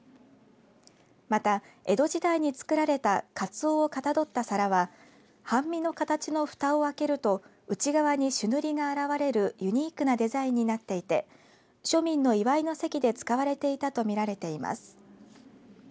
また、江戸時代に作られたかつおをかたどった皿は半身の形のふたを開けると内側に朱塗りが現れるユニークなデザインになっていて庶民の祝いの席で使われてたと見られています。